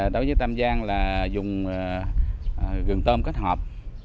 đối với tàm giang là dùng gừng tôm kết hợp